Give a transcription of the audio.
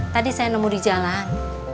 tadi saya nemu di jalan